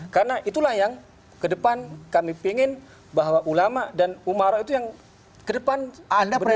karena itulah yang kedepan kami pingin bahwa ulama dan umara itu yang kedepan benar benar bersambung